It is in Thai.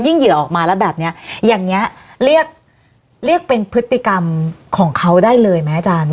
เหยื่อออกมาแล้วแบบนี้อย่างนี้เรียกเรียกเป็นพฤติกรรมของเขาได้เลยไหมอาจารย์